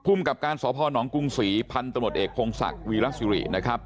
ภูมิกับการสภพน้องกุ้งศรีพันตมตเอกโครงศักดิ์วีรัสยุรินะครับ